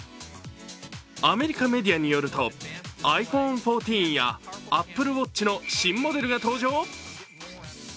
アメリカメディアによるとｉＰｈｏｎｅ１４やＡｐｐｌｅＷａｔｃｈの新モデルが登場？